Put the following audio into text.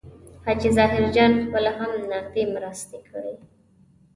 حاجي ظاهرجان پخپله هم نغدي مرستې کړي.